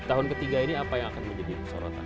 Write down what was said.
tahun ketiga ini apa yang akan menjadi sorotan